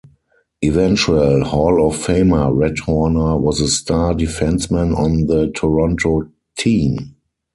Eventual Hall of Famer Red Horner was a star defenceman on the Toronto team.